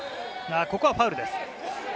ここはファウルです。